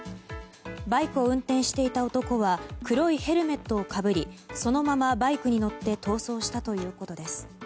バイクを運転していた男は黒いヘルメットをかぶりそのままバイクに乗って逃走したということです。